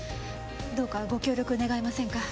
どうかご協力願えませんか？